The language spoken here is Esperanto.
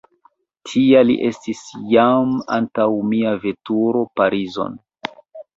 Tia li estis jam antaŭ mia veturo Parizon.